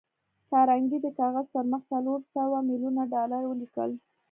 کارنګي د کاغذ پر مخ څلور سوه ميليونه ډالر ولیکل